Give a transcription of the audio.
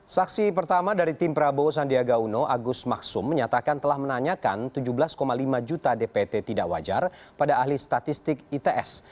saksi pertama dari tim prabowo sandiaga uno agus maksum menyatakan telah menanyakan tujuh belas lima juta dpt tidak wajar pada ahli statistik its